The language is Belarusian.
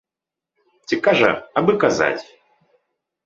Ці кажа, абы казаць.